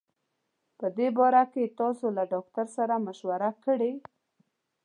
په دي باره کي تاسو له ډاکټر سره مشوره کړي